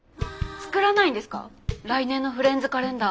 作らないんですか来年のフレンズカレンダー。